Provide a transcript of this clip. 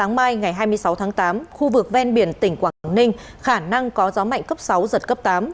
sáng mai ngày hai mươi sáu tháng tám khu vực ven biển tỉnh quảng ninh khả năng có gió mạnh cấp sáu giật cấp tám